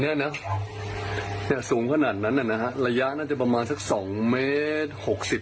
เนี้ยนะเนี่ยสูงขนาดนั้นน่ะนะฮะระยะน่าจะประมาณสักสองเมตรหกสิบ